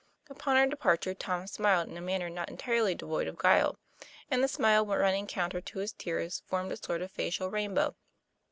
Upon her departure, Tom smiled in a manner not entirely devoid of guile; and the smile running counter to his tears formed a sort of facial rainbow.